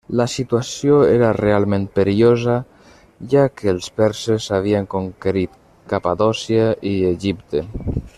La situació era realment perillosa, ja que els perses havien conquerit Capadòcia i Egipte.